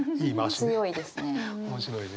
強いですね。